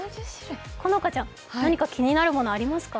好花ちゃん、何か気になるものありますか？